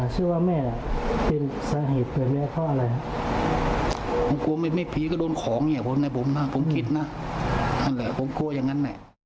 ชื่อว่าแม่เป็นสาเหตุเป็นแม่พ่ออะไร